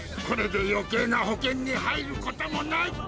これでよけいな保険に入ることもない。